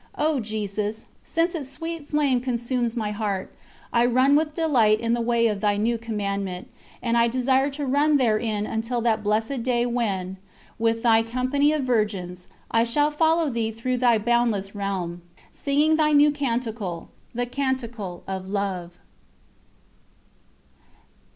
O Jesus! Since its sweet flame consumes my heart, I run with delight in the way of Thy New Commandment, and I desire to run therein until that blessed day when, with Thy company of Virgins, I shall follow Thee through Thy boundless Realm, singing Thy New Canticle The Canticle of Love.